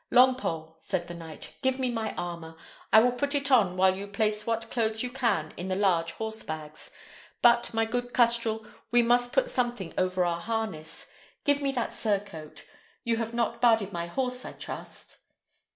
"Longpole," said the knight, "give me my armour; I will put it on while you place what clothes you can in the large horsebags. But, my good custrel, we must put something over our harness: give me that surcoat. You have not barded my horse, I trust?"